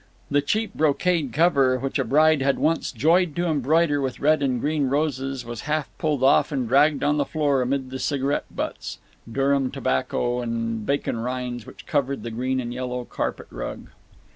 The cheap brocade cover, which a bride had once joyed to embroider with red and green roses, was half pulled off and dragged on the floor amid the cigarette butts, Durham tobacco, and bacon rinds which covered the green and yellow carpet rug.